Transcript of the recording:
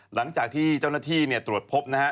หลังจากที่เจ้าหน้าที่ตรวจพบนะฮะ